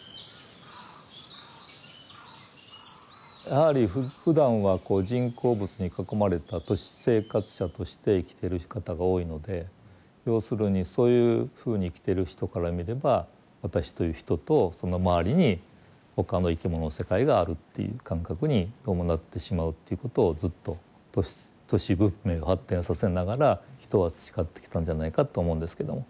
やはりふだんはこう人工物に囲まれた都市生活者として生きてる方が多いので要するにそういうふうに生きてる人から見れば私という人とその周りに他の生き物の世界があるという感覚にどうもなってしまうということをずっと都市文明を発展させながら人は培ってきたんじゃないかと思うんですけども。